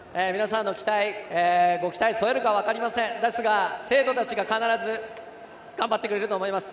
皆さんのご期待に添えるか分かりませんがですが、生徒たちが必ず、頑張ってくれると思います。